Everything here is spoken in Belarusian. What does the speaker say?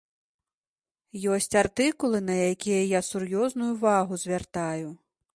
Ёсць артыкулы, на якія я сур'ёзную ўвагу звяртаю.